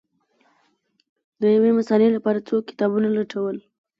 د یوې مسألې لپاره څو کتابونه لټول